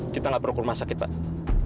kita gak perlu kurma sakit pak